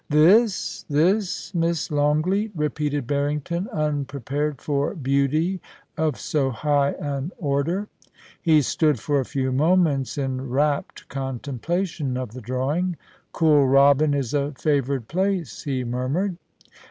* This — this Miss Longleat !' repeated Barrington, unpre pared for beauty of so high an order. He stood for a few moments in rapt contemplation of the drawing. * Kooralbyn is a favoured place,' he murmured.